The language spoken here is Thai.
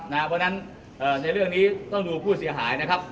เพราะฉะนั้นในเรื่องนี้ต้องดูผู้เสียหายนะครับ